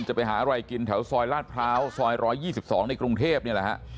ไปหาอะไรกินแถวซอยลาดพร้าวซอย๑๒๒ในกรุงเทพนี่แหละฮะ